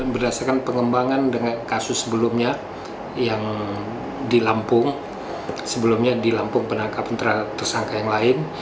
berdasarkan pengembangan dengan kasus sebelumnya yang dilampung sebelumnya dilampung penangkapan tersangka yang lain